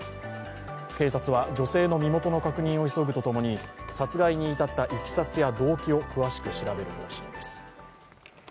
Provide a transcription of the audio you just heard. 警察は女性の身元の確認を急ぐとともに殺害に至ったいきさつや動機を詳しく調べる方針です。